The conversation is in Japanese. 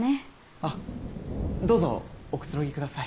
あっどうぞおくつろぎください。